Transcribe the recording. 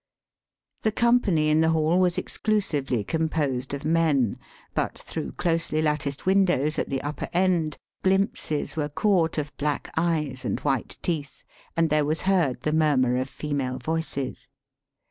The company in the hall was exclusively composed of men, but through closely latticed windows at the upper end glimpses were caught of black eyes and white teeth, and there was heard the murmur of female voices.